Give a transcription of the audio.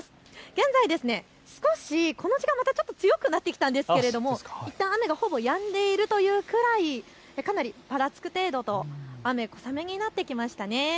現在、少しこの時間、ちょっと強くなってきたんですけれどもいったん雨がほぼやんでいるというくらいぱらつく程度の雨、小雨になってきました。